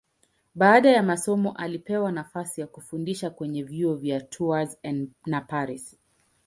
Baada ya masomo alipewa nafasi ya kufundisha kwenye vyuo vya Tours na Paris.